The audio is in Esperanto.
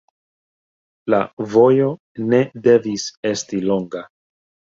La vojo ne devis esti longa.